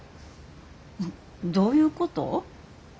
どういうこと？